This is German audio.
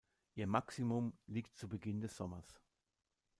Ihr Maximum liegt zu Beginn des Sommers.